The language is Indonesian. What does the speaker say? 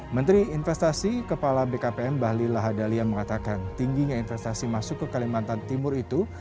menteri investasi kepala bkpm bahlil lahadalia mengatakan tingginya investasi masuk ke kalimantan timur itu